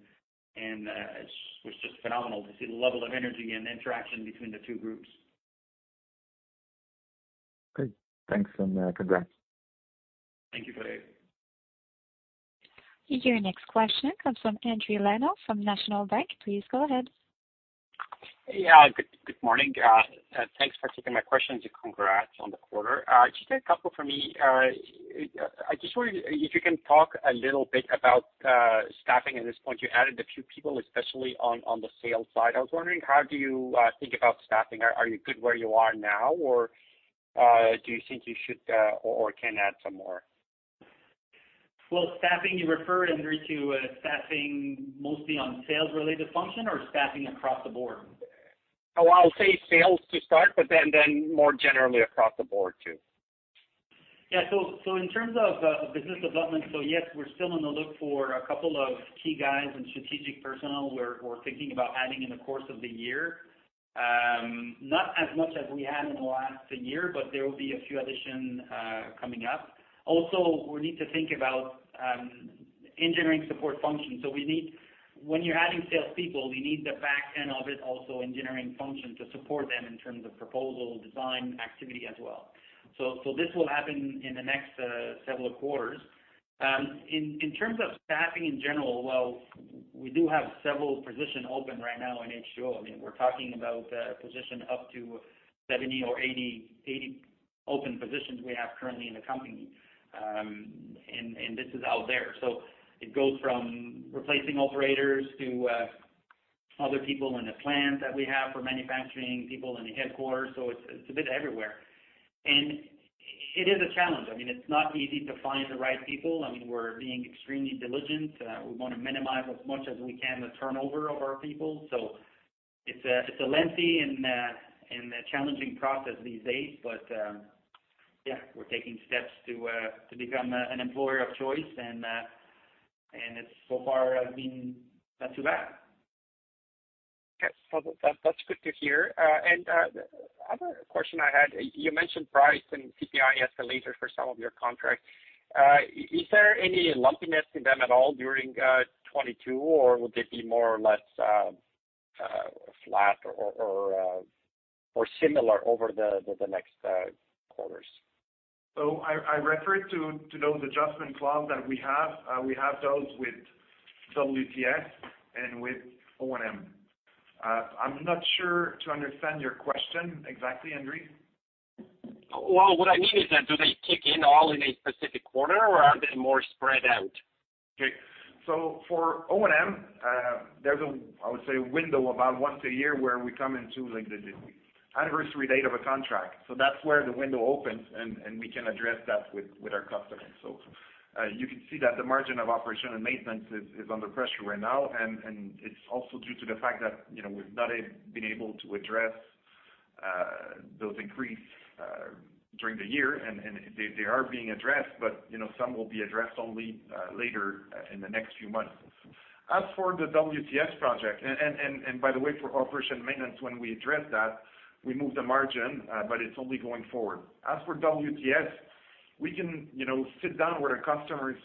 It was just phenomenal to see the level of energy and interaction between the two groups. Great. Thanks and congrats. Thank you, Frederic Tremblay. Your next question comes from Endri Leno from National Bank. Please go ahead. Yeah. Good morning. Thanks for taking my questions and congrats on the quarter. Just a couple from me. I just wonder if you can talk a little bit about staffing at this point. You added a few people, especially on the sales side. I was wondering, how do you think about staffing? Are you good where you are now or do you think you should or can add some more? Well, staffing, you refer, Endri, to staffing mostly on sales related function or staffing across the board? Oh, I'll say sales to start, but then more generally across the board too. In terms of business development, yes, we're still on the lookout for a couple of key guys and strategic personnel we're thinking about adding in the course of the year. Not as much as we had in the last year, but there will be a few addition coming up. Also, we need to think about engineering support functions. When you're adding salespeople, you need the back end of it also engineering function to support them in terms of proposal, design, activity as well. This will happen in the next several quarters. In terms of staffing in general, well, we do have several position open right now in H2O. I mean, we're talking about position up to 70 or 80 open positions we have currently in the company. This is out there. It goes from replacing operators to other people in the plants that we have for manufacturing, people in the headquarters. It's a bit everywhere. It is a challenge. I mean, it's not easy to find the right people. I mean, we're being extremely diligent. We wanna minimize as much as we can the turnover of our people. It's a lengthy and a challenging process these days. We're taking steps to become an employer of choice. It's so far has been not too bad. That's good to hear. The other question I had, you mentioned price and CPI escalators for some of your contracts. Is there any lumpiness in them at all during 2022 or will they be more or less flat or similar over the next quarters? I refer to those adjustment clause that we have. We have those with WTS and with O&M. I'm not sure to understand your question exactly, Endri. Well, what I mean is that do they kick in all in a specific quarter or are they more spread out? Okay. For O&M, there's a, I would say, window about once a year where we come into like the anniversary date of a contract. That's where the window opens and we can address that with our customers. You can see that the margin of operation and maintenance is under pressure right now. It's also due to the fact that, you know, we've not been able to address those increases during the year and they are being addressed, but you know, some will be addressed only later in the next few months. As for the WTS project, by the way, for operation maintenance, when we address that, we move the margin, but it's only going forward. As for WTS, we can, you know, sit down with our customers.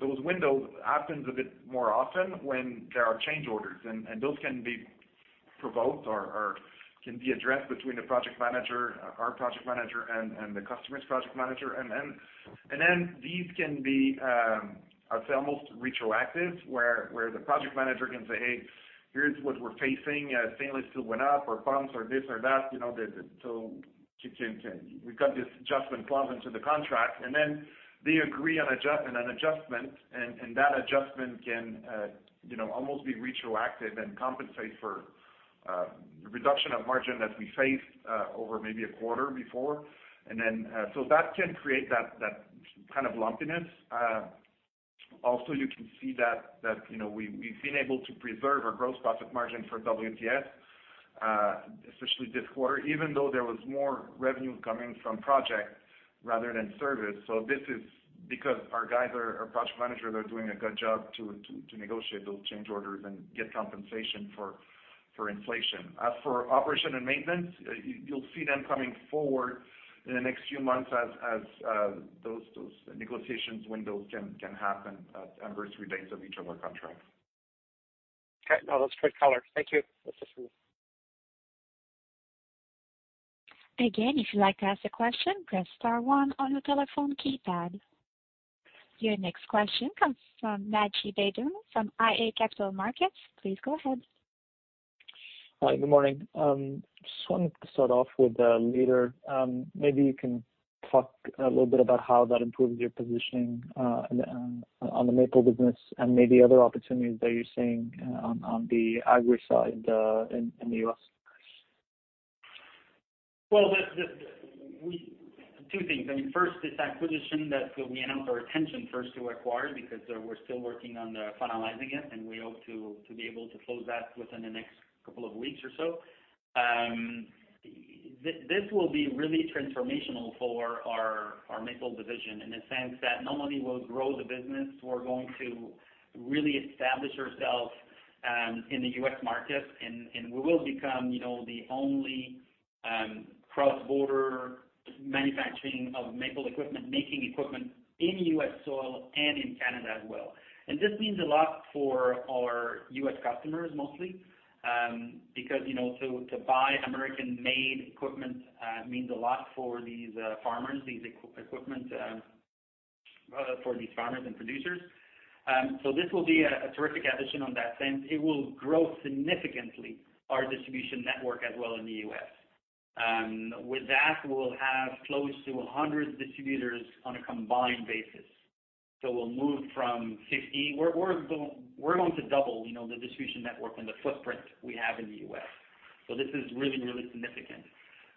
Those windows happen a bit more often when there are change orders and those can be provoked or can be addressed between the project manager, our project manager and the customer's project manager. These can be, I'd say, almost retroactive, where the project manager can say, "Hey, here's what we're facing as stainless steel went up, or pumps or this or that." You know, so you can. We've got this adjustment clause into the contract, and then they agree on an adjustment. That adjustment can, you know, almost be retroactive and compensate for reduction of margin that we faced over maybe a quarter before. That can create that kind of lumpiness. Also, you can see that you know, we've been able to preserve our gross profit margin for WTS, especially this quarter, even though there was more revenue coming from project rather than service. This is because our guys are, our project manager, they're doing a good job to negotiate those change orders and get compensation for inflation. As for operation and maintenance, you'll see them coming forward in the next few months as those negotiations windows can happen at anniversary dates of each of our contracts. Okay. No, that's great color. Thank you. That's just true. Again, if you'd like to ask a question, press star one on your telephone keypad. Your next question comes from Naji Baydoun from iA Capital Markets. Please go ahead. Hi, good morning. Just wanted to start off with the Leader. Maybe you can talk a little bit about how that improves your positioning on the Maple business and maybe other opportunities that you're seeing on the Agri side in the U.S. Two things. I mean, first, we'll announce our intention to acquire because we're still working on finalizing it, and we hope to be able to close that within the next couple of weeks or so. This will be really transformational for our Maple division in the sense that not only we'll grow the business, we're going to really establish ourselves in the U.S. market. We will become, you know, the only cross-border manufacturing of Maple equipment, making equipment in U.S. soil and in Canada as well. This means a lot for our U.S. customers, mostly, because, you know, to buy American-made equipment means a lot for these farmers, this equipment for these farmers and producers. This will be a terrific addition in that sense. It will grow significantly our distribution network as well in the U.S.. With that, we'll have close to 100 distributors on a combined basis. We'll move from 60. We're going to double, you know, the distribution network and the footprint we have in the U.S.. This is really, really significant.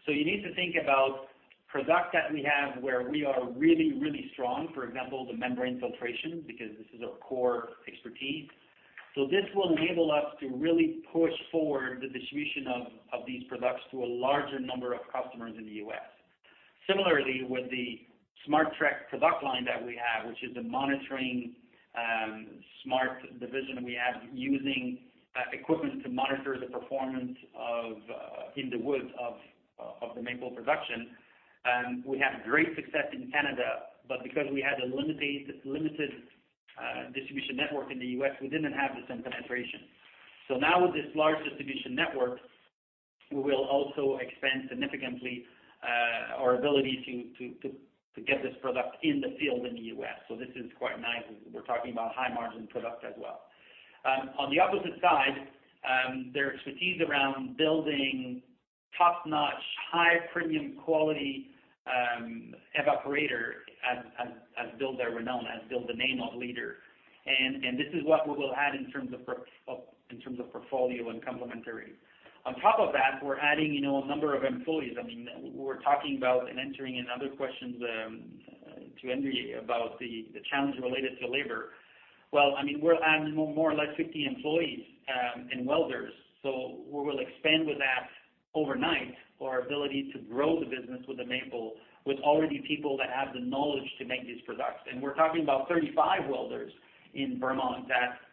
You need to think about products that we have where we are really, really strong, for example, the membrane filtration, because this is our core expertise. This will enable us to really push forward the distribution of these products to a larger number of customers in the U.S.. Similarly, with the Smartrek product line that we have, which is a monitoring smart division we have using equipment to monitor the performance of in the woods of the maple production. We had great success in Canada, but because we had a limited distribution network in the US, we didn't have the same penetration. Now with this large distribution network, we will also expand significantly our ability to get this product in the field in the U.S.. This is quite nice as we're talking about high margin product as well. On the opposite side, their expertise around building top-notch, high premium quality evaporator has built their renown, has built the name of Leader. This is what we will add in terms of portfolio and complementary. On top of that, we're adding, you know, a number of employees. I mean, we're talking about and answering in other questions to Endri about the challenge related to labor. Well, I mean, we're adding more or less 50 employees and welders. We will expand with that. Overnight, our ability to grow the business with Leader, with already people that have the knowledge to make these products. We're talking about 35 welders in Vermont that, you know,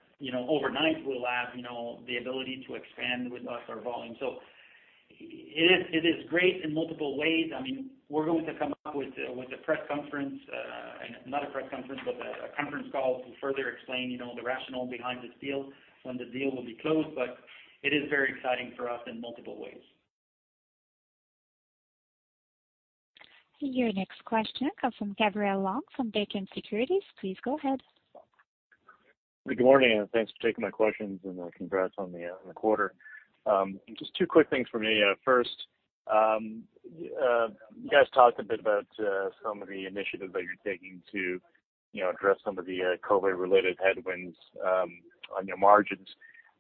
overnight will have, you know, the ability to expand with us our volume. It is great in multiple ways. I mean, we're going to come up with a press conference, not a press conference, but a conference call to further explain, you know, the rationale behind this deal when the deal will be closed, but it is very exciting for us in multiple ways. Your next question comes from Gabriel Leung from Desjardins Securities. Please go ahead. Good morning, and thanks for taking my questions, and congrats on the quarter. Just two quick things from me. First, you guys talked a bit about some of the initiatives that you're taking to, you know, address some of the COVID-related headwinds on your margins.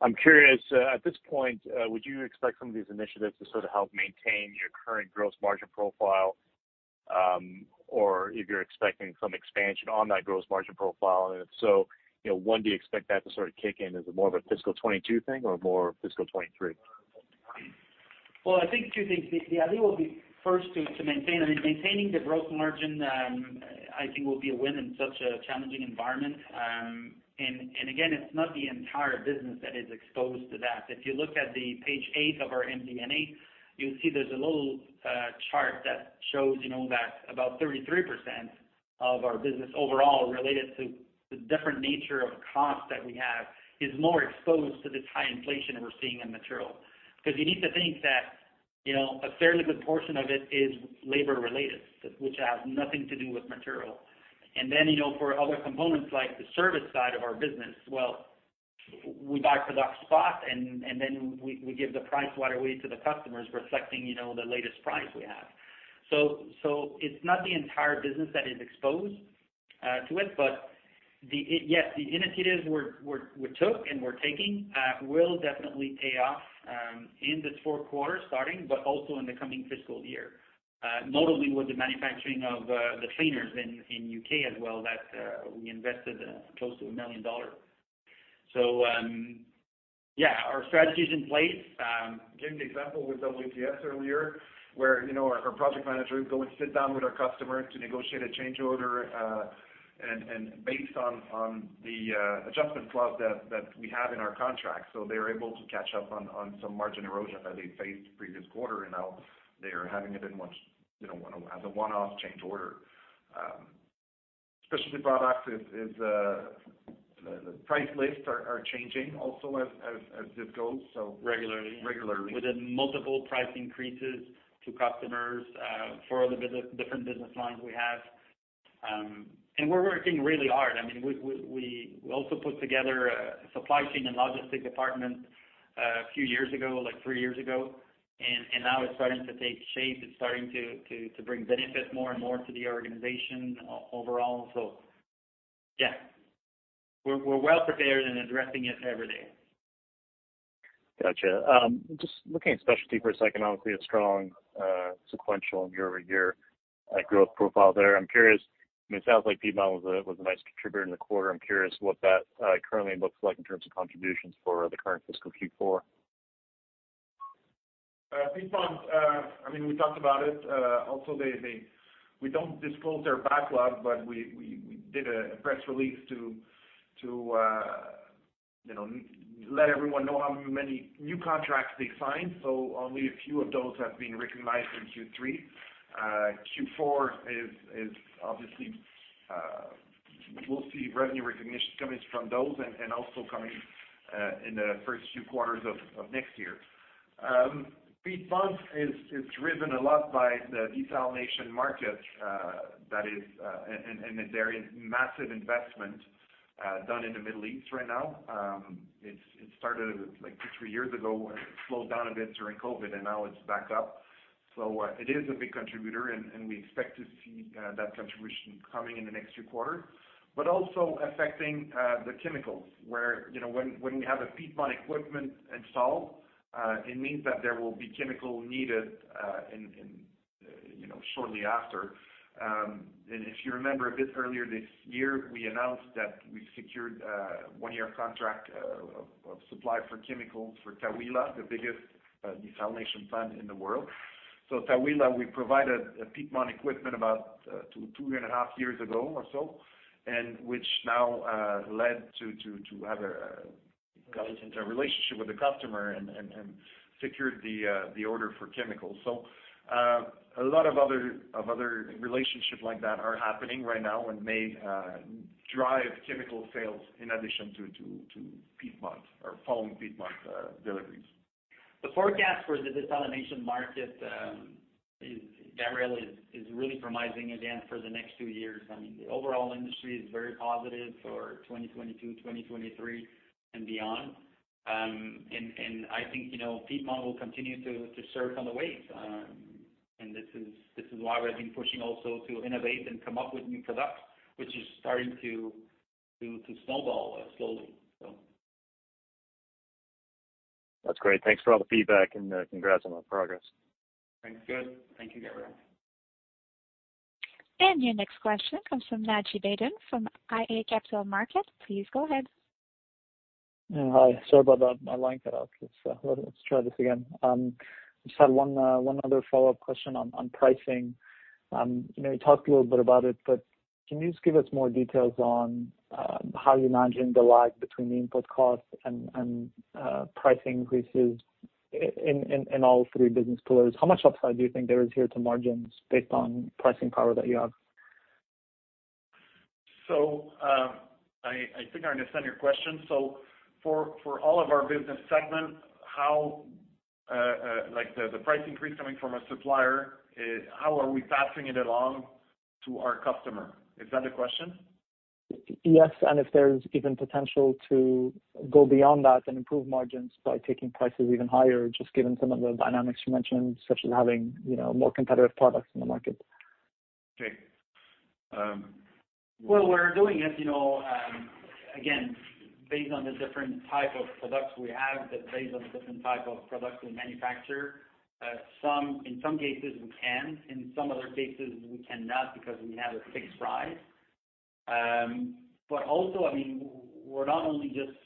I'm curious, at this point, would you expect some of these initiatives to sort of help maintain your current gross margin profile, or if you're expecting some expansion on that gross margin profile? If so, you know, when do you expect that to sort of kick in? Is it more of a fiscal 2022 thing or more fiscal 2023? I think two things. The idea will be first to maintain. I mean, maintaining the gross margin, I think will be a win in such a challenging environment. Again, it's not the entire business that is exposed to that. If you look at page eight of our MD&A, you'll see there's a little chart that shows, you know, that about 33% of our business overall related to the different nature of cost that we have is more exposed to this high inflation we're seeing in material. Because you need to think that, you know, a fairly good portion of it is labor related, which has nothing to do with material. You know, for other components like the service side of our business, well, we buy product spot and then we give the price right away to the customers reflecting, you know, the latest price we have. So it's not the entire business that is exposed to it. Yes, the initiatives we took and we're taking will definitely pay off in this fourth quarter starting, but also in the coming fiscal year, notably with the manufacturing of the cleaners in U.K. as well, that we invested close to 1 million dollars. So yeah, our strategy is in place. Give the example with WTS earlier, where, you know, our project manager go and sit down with our customer to negotiate a change order, and based on the adjustment clause that we have in our contract. They're able to catch up on some margin erosion that they faced previous quarter, and now they are having a bit much, you know, as a one-off change order. Specialty products is the price lists are changing also as this goes, so- Regularly. Regularly. Within multiple price increases to customers, for the different business lines we have. We're working really hard. I mean, we also put together a supply chain and logistics department a few years ago, like three years ago, and now it's starting to take shape. It's starting to bring benefit more and more to the organization overall. Yeah, we're well prepared and addressing it every day. Gotcha. Just looking at specialty first, especially a strong sequential year-over-year growth profile there. I'm curious. I mean, it sounds like Piedmont was a nice contributor in the quarter. I'm curious what that currently looks like in terms of contributions for the current fiscal Q4. Piedmont, I mean, we talked about it. Also, they, we don't disclose their backlog, but we did a press release to you know let everyone know how many new contracts they signed. Only a few of those have been recognized in Q3. Q4 is obviously we'll see revenue recognition coming from those and also coming in the first few quarters of next year. Piedmont is driven a lot by the desalination market, and there is massive investment done in the Middle East right now. It started like two to three years ago and slowed down a bit during COVID, and now it's back up. It is a big contributor and we expect to see that contribution coming in the next few quarters, but also affecting the chemicals where, you know, when we have a Piedmont equipment installed, it means that there will be chemical needed, you know, shortly after. If you remember a bit earlier this year, we announced that we secured a one-year contract of supply for chemicals for Taweelah, the biggest desalination plant in the world. Taweelah, we provided a Piedmont equipment about 2.5 years ago or so, and which now led to have a relationship with the customer and secured the order for chemicals. A lot of other relationships like that are happening right now and may drive chemical sales in addition to Piedmont or following Piedmont deliveries. The forecast for the desalination market is really promising again for the next two years. I mean, the overall industry is very positive for 2022, 2023 and beyond. And I think, you know, Piedmont will continue to surf on the wave. This is why we've been pushing also to innovate and come up with new products, which is starting to snowball slowly so. That's great. Thanks for all the feedback and congrats on the progress. Thanks. Good. Thank you, Gabriel. Your next question comes from Naji Baydoun from iA Capital Markets. Please go ahead. Yeah. Hi. Sorry about that. My line cut out. Let's try this again. Just had one other follow-up question on pricing. You know, you talked a little bit about it, but can you just give us more details on how you're managing the lag between the input costs and price increases in all three business pillars? How much upside do you think there is here to margins based on pricing power that you have? I think I understand your question. For all of our business segments, how, like, the price increase coming from a supplier, how are we passing it along to our customer? Is that the question? Yes. If there's even potential to go beyond that and improve margins by taking prices even higher, just given some of the dynamics you mentioned, such as having, you know, more competitive products in the market. Okay. Well, we're doing it, you know, again, based on the different type of products we have, but based on the different type of products we manufacture. In some cases we can, in some other cases we cannot because we have a fixed price. Also, I mean, we're not only just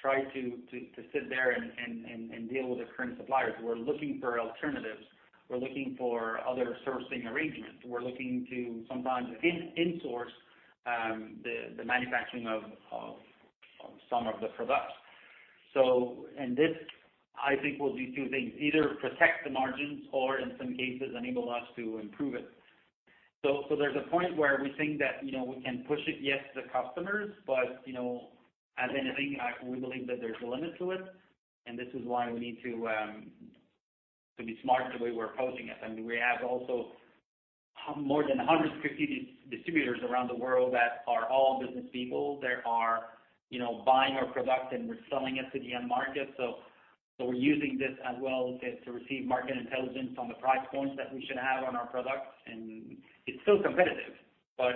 trying to sit there and deal with the current suppliers. We're looking for alternatives. We're looking for other sourcing arrangements. We're looking to sometimes insource the manufacturing of some of the products. This, I think, will do two things, either protect the margins or in some cases enable us to improve it. There's a point where we think that, you know, we can push it, yes, to the customers, but, you know, as anything, we believe that there's a limit to it. This is why we need to be smart in the way we're approaching it. I mean, we have also more than 150 distributors around the world that are all business people. They are, you know, buying our product, and we're selling it to the end market. We're using this as well to receive market intelligence on the price points that we should have on our products. It's still competitive, but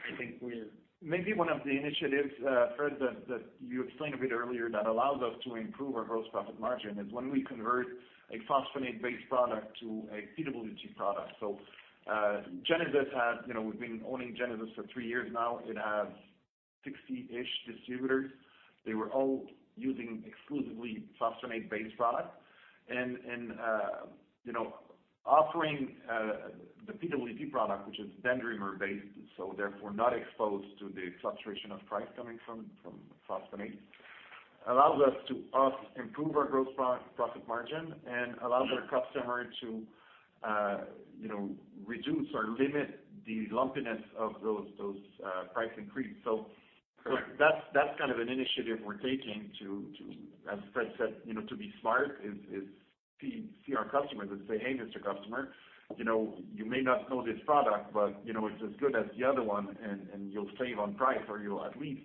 I think we're Maybe one of the initiatives, Fred, that you explained a bit earlier that allows us to improve our gross profit margin is when we convert a phosphonate-based product to a PWT product. Genesys has you know, we've been owning Genesys for three years now. It has 60-ish distributors. They were all using exclusively phosphonate-based products. You know, offering the PWT product, which is dendrimer-based, so therefore not exposed to the fluctuation of price coming from phosphonate, allows us to improve our gross profit margin and allows our customer to reduce or limit the lumpiness of those price increases. Correct. That's kind of an initiative we're taking to, as Fred said, you know, to be smart, is to see our customers and say, "Hey, Mr. Customer, you know, you may not know this product, but, you know, it's as good as the other one, and you'll save on price, or you'll at least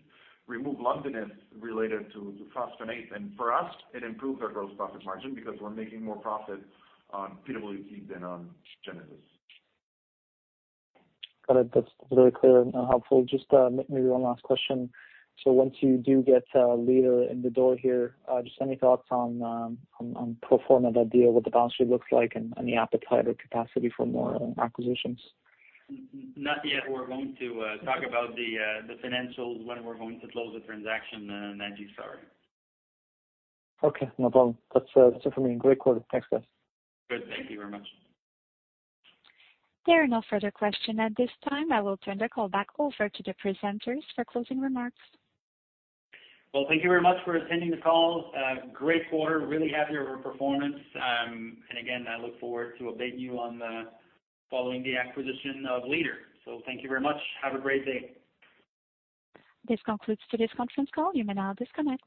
remove lumpiness related to phosphonate." For us, it improved our gross profit margin because we're making more profit on PWT than on Genesys. Got it. That's very clear and helpful. Just maybe one last question. Once you do get Leader in the door here, just any thoughts on pro forma the idea what the balance sheet looks like and the appetite or capacity for more acquisitions? Not yet. We're going to talk about the financials when we're going to close the transaction, Naji. Sorry. Okay. No problem. That's it for me. Great call. Thanks, guys. Good. Thank you very much. There are no further questions at this time. I will turn the call back over to the presenters for closing remarks. Well, thank you very much for attending the call. Great quarter. Really happy with our performance. I look forward to update you following the acquisition of Leader. Thank you very much. Have a great day. This concludes today's conference call. You may now disconnect.